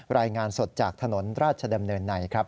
รายงานสดจากถนนราชดำเนินในครับ